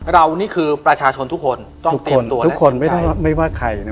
เรานี่คือประชาชนทุกคนต้องเตรียมตัวและเตรียมใจทุกคนไม่ว่าใครนะ